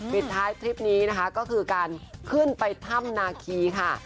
ปิดท้ายทริปนี้นะคะก็คือการขึ้นไปถ้ำนาคีค่ะ